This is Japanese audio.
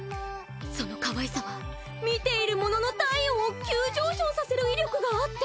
そのかわいさは見ている者の体温を急上昇させる威力があって！